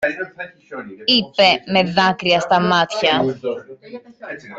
είπε με δάκρυα στα μάτια.